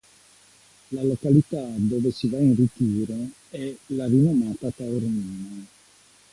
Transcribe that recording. La località dove si va in ritiro è la rinomata Taormina.